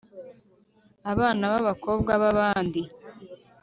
abana babakobwa babandi